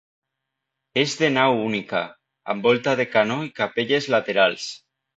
És de nau única, amb volta de canó i capelles laterals.